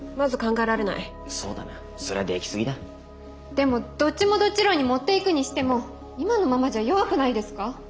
でもどっちもどっち論に持っていくにしても今のままじゃ弱くないですか？